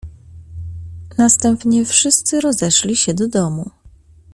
"Następnie wszyscy rozeszli się do domu."